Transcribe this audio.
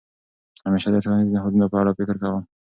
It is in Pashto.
همېشه د ټولنیزو نهادونو په اړه فکر کوم.